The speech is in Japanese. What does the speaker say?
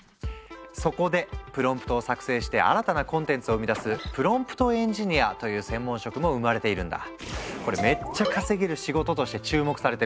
そこでプロンプトを作成して新たなコンテンツを生み出すプロンプトエンジニアという専門職も生まれているんだ。